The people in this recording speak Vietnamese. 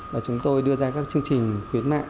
và chúng tôi đưa ra các chương trình khuyến mại